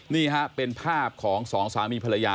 นี่ฮะเป็นภาพของสองสามีภรรยา